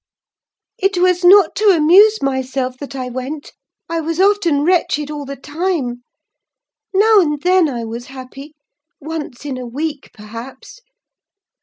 It was not to amuse myself that I went: I was often wretched all the time. Now and then I was happy: once in a week perhaps.